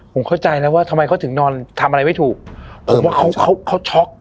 ผมเข้าใจแล้วว่าทำไมเขาถึงนอนทำอะไรไม่ถูกผมว่าเขาเขาช็อก